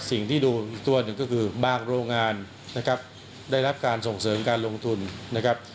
สิ่งที่ดูอีกตัวหนึ่งก็คือบางโรงงานนะครับได้รับการส่งเสริมการลงทุนนะครับ